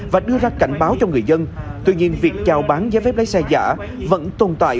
và đưa ra cảnh báo cho người dân tuy nhiên việc chào bán giấy phép lái xe giả vẫn tồn tại